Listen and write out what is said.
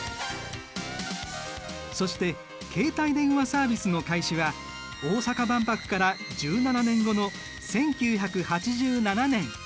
そして携帯電話サービスの開始は大阪万博から１７年後の１９８７年。